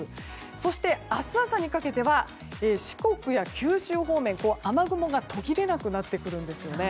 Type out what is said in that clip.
そして、明日朝にかけては四国や九州方面雨雲が途切れなくなってくるんですね。